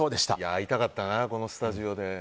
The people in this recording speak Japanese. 会いたかったなこのスタジオで。